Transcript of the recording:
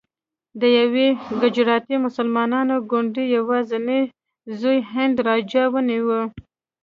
د یوې ګجراتي مسلمانې کونډې یوازینی زوی هندو راجا ونیو.